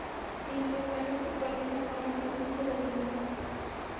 Mientras que al este colinda con la provincia de Limón.